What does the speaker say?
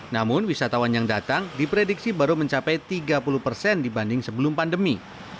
namun wisatawan yang datang diprediksi baru mencapai tiga puluh persen dibanding sebelum pandemi